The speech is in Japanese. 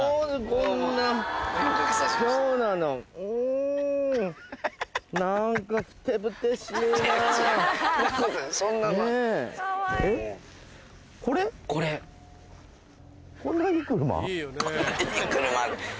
こんないい車。